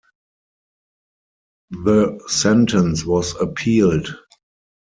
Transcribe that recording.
The sentence was appealed.